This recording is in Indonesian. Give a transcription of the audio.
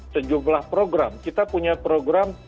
sejumlah program kita punya program